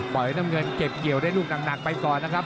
น้ำเงินเก็บเกี่ยวได้ลูกหนักไปก่อนนะครับ